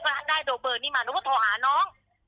ถ้าได้เบอร์นี้มาหนูก็โทรหาน้อง